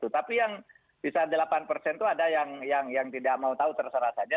tapi yang bisa delapan persen itu ada yang tidak mau tahu terserah saja